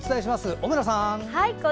小村さん。